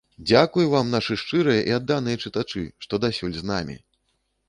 Дзякуй вам, нашы шчырыя і адданыя чытачы, што дасюль з намі!